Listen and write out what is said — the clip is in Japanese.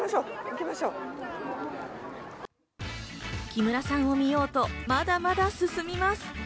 木村さんを見ようと、まだまだ進みます。